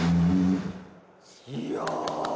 いや。